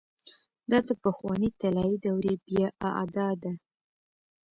دا د پخوانۍ طلايي دورې بيا اعاده ده.